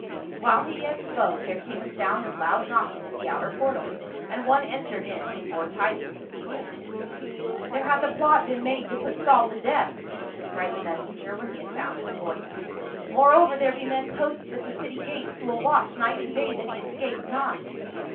" While he yet spoke, there came a sound of loud knocking at the outer portal, and one entered in who bore tidings of evil. "There hath a plot been made to put Saul to death," cried the messenger when he had found his THE CHOSEN AND THE ACCURSED. 127 voice. " Moreover there be men posted at the city gates who will watch night and day that he escape not."